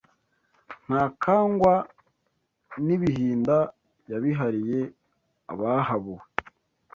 Ntakangwa n’ibihinda Yabihariye abahabuwe